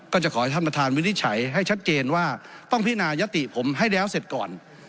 จะขอให้ท่านประธานวินิจฉัยให้ชัดเจนว่าต้องพินายติผมให้แล้วเสร็จก่อน